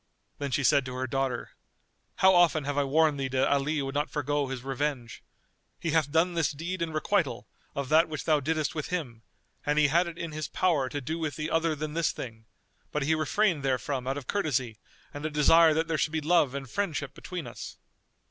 Then she said to her daughter, "How often have I warned thee that Ali would not forego his revenge? He hath done this deed in requital of that which thou diddest with him and he had it in his power to do with thee other than this thing; but he refrained therefrom out of courtesy and a desire that there should be love and friendship between us."